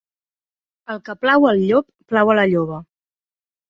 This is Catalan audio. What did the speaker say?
El que plau al llop, plau a la lloba.